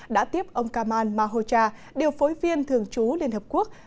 đã tiếp ông kamal mahocha điều phối viên thường trú liên hợp quốc